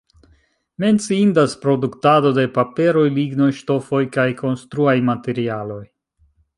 Menciindas produktado de paperoj, lignoj, ŝtofoj kaj konstruaj materialoj.